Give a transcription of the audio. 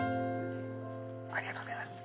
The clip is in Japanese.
ありがとうございます。